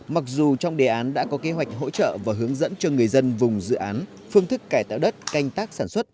mặc dù trong đề án đã có kế hoạch hỗ trợ và hướng dẫn cho người dân vùng dự án phương thức cải tạo đất canh tác sản xuất